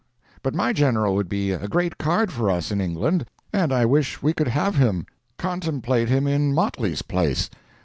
But my General would be a great card for us in England, and I wish we could have him. Contemplate him in Motley's place.